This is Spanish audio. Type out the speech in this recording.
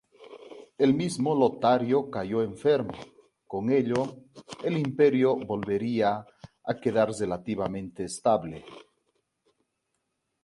El mismo Lotario cayó enfermo; con ello, el Imperio volvía a quedar relativamente estable.